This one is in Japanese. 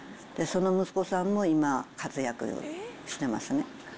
その息子さんも今、活躍してますね。